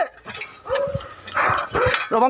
จัดกระบวนพร้อมกัน